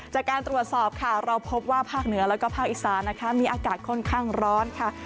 จากการตรวจสอบค่ะเราพบว่าภาคเหนือแล้วก็ภาคอีสานนะคะมีอากาศค่อนข้างร้อนค่ะ